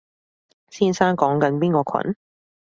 先生講緊邊個群？